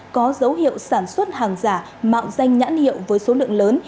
có dấu hiệu sản xuất hàng giả mạo danh nhãn hiệu với số lượng lớn